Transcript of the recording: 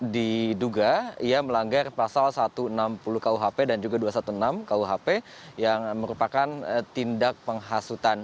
diduga ia melanggar pasal satu ratus enam puluh kuhp dan juga dua ratus enam belas kuhp yang merupakan tindak penghasutan